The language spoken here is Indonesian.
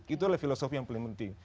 itu adalah filosofi yang paling penting